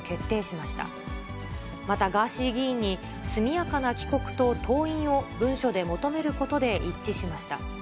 またガーシー議員に、速やかな帰国と登院を文書で求めることで一致しました。